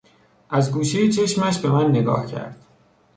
از گوشهی چشمش به من نگاه کرد.